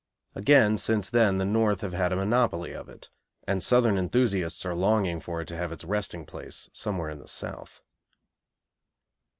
Again, since then, the North have had a monopoly of it, and Southern enthusiasts are longing for it to have its resting place somewhere in the South.